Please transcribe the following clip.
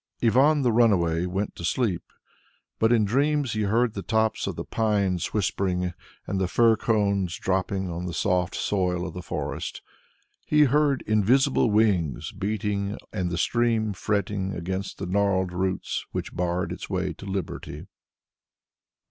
Ivan the Runaway went to sleep, but in dreams he heard the tops of the pines whispering, and the fir cones dropping on the soft soil of the forest; he heard invisible wings beating and the stream fretting against the gnarled roots which barred its way to liberty.